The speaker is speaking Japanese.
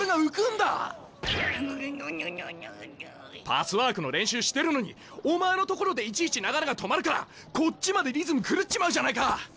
パスワークの練習してるのにお前の所でいちいち流れが止まるからこっちまでリズム狂っちまうじゃないか！